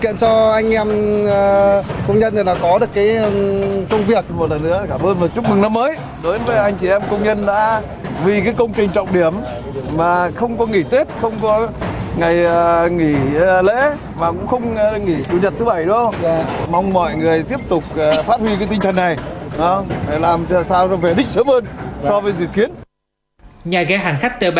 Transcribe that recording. nhà ga hành khách t ba